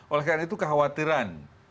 oleh karena itu kekhawatiran